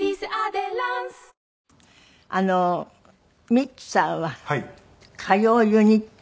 ミッツさんは歌謡ユニット。